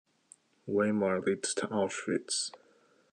Weimar leads to Auschwitz.